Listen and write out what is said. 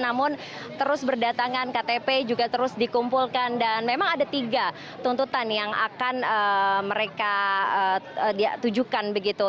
namun terus berdatangan ktp juga terus dikumpulkan dan memang ada tiga tuntutan yang akan mereka dia tujukan begitu